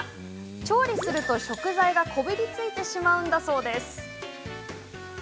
調理すると、食材がこびりついてしまうんだそうです。